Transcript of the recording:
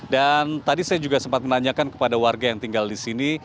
dan tadi saya juga sempat menanyakan kepada warga yang tinggal di sini